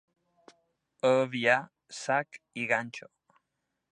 A Avià, sac i ganxo.